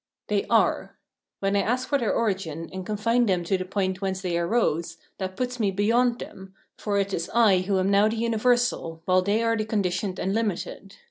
* They are. When I ask for their origin, and confine them to the point whence they arose, that puts me beyond them, for it is I who am now the universal, while they are the conditioned and hmited.